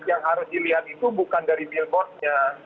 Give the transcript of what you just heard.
yang harus dilihat itu bukan dari billboard nya